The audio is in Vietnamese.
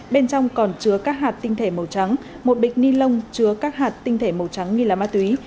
bên trong còn chứa các hạt tinh thể màu trắng một bịch ni lông chứa các hạt tinh thể màu trắng nghi là ma túy